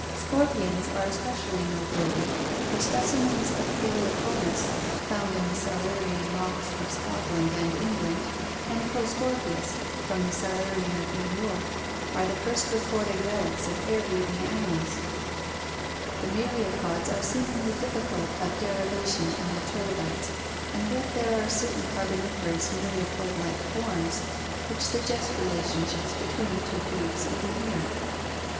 Scorpions are especially noteworthy, for specimens of Palaopltonus found in the Silurian rocks of Scotland and Eng land, and Proscorpius from the Silurian of New York are the first recorded relics of air breathing animals (see Fig. 125). The myriapods are seemingly difficult of derivation from the 454 ORGANIC EVOLUTION trilobites and yet there are certain Carboniferous myriapod like forms which suggest relationships between the two groups even here.